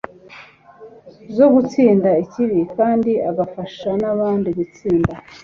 zo gutsinda ikibi kandi agafasha nabandi gutsinda